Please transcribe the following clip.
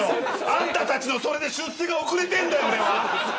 あんたたちのそれで出世が遅れてるんだよ